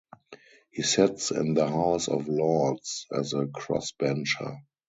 He sits in the House of Lords as a crossbencher.